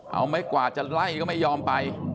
เอาไม้กวาดจะไล่ก็ไม่ยอมไป